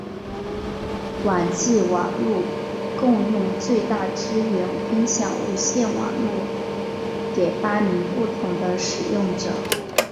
网际网路共用最大支援分享无线网路给八名不同的使用者。